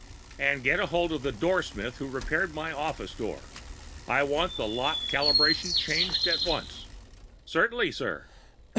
"And get hold of the doorsmith who repaired my office door; I want the lock calibration changed at once." "Certainly, sir."